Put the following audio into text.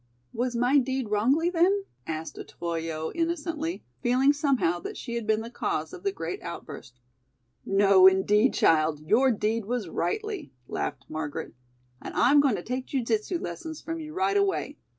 "Was my deed wrongly, then?" asked Otoyo, innocently, feeling somehow that she had been the cause of the great outburst. "No, indeed, child, your deed was rightly," laughed Margaret. "And I'm going to take jiu jitsu lessons from you right away.